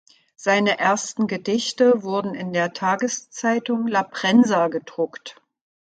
Seine ersten Gedichte wurden in der Tageszeitung "La Prensa" gedruckt.